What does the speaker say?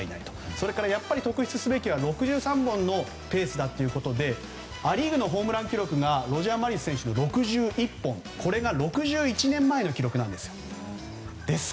それからやっぱり特筆すべきは６３本ペースだということでア・リーグのホームラン記録がロジャー・マリス選手の６１本これが６１年前の記録なんです。